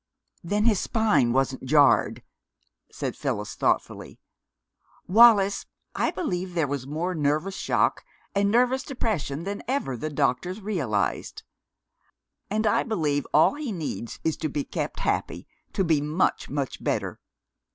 "Then his spine wasn't jarred," said Phyllis thoughtfully. "Wallis, I believe there was more nervous shock and nervous depression than ever the doctors realized. And I believe all he needs is to be kept happy, to be much, much better.